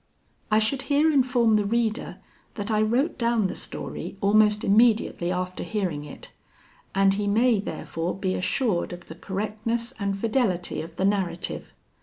I should here inform the reader that I wrote down the story almost immediately after hearing it; and he may, therefore, be assured of the correctness and fidelity of the narrative.